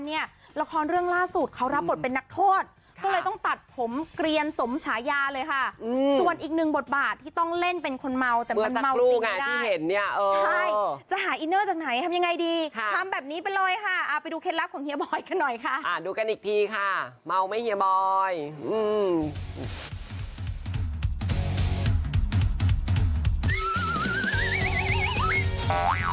ให้คุณผู้ชมมีคลิปกันให้คุณผู้ชมได้ดูคลิปกันให้คุณผู้ชมมีคลิปกันให้คุณผู้ชมมีคลิปกันให้คุณผู้ชมมีคลิปกันให้คุณผู้ชมมีคลิปกันให้คุณผู้ชมมีคลิปกันให้คุณผู้ชมมีคลิปกันให้คุณผู้ชมมีคลิปกันให้คุณผู้ชมมีคลิปกันให้คุณผู้ชมมีคลิปกันให้คุณผู้ชมมีคลิปกันให้ค